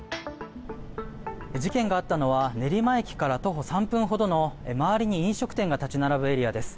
事件があったのは練馬駅から徒歩３分ほどの周りに飲食店が立ち並ぶエリアです。